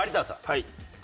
はい。